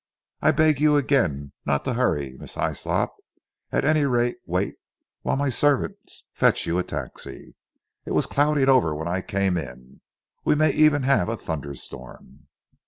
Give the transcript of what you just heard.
I beg you again not to hurry, Miss Hyslop. At any rate wait while my servants fetch you a taxi. It was clouding over when I came in. We may even have a thunderstorm."